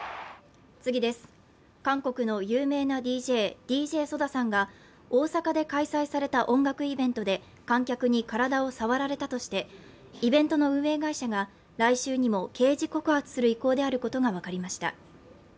韓国の有名なＤＪＤＪＳＯＤＡさんが大阪で開催された音楽イベントで観客に体を触られたとしてイベントの運営会社が来週にも刑事告発する意向であることが分かりました